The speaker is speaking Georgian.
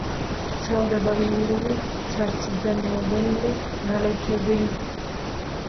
ვრცელდება იურული, ცარცის და ნეოგენური ნალექები.